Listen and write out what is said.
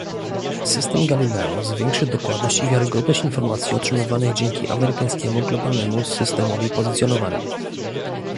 System Galileo zwiększy dokładność i wiarygodność informacji otrzymywanych dzięki amerykańskiemu Globalnemu Systemowi Pozycjonowania